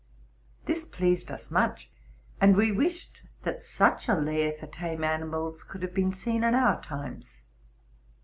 This pleased us much, and we wished that such a lair for tame animals could have been seen in our times.